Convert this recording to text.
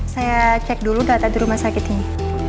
saya cek dulu data di rumah sakit ini